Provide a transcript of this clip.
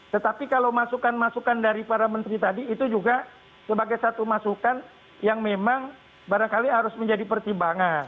tetapi kalau masukan masukan dari para menteri tadi itu juga sebagai satu masukan yang memang barangkali harus menjadi pertimbangan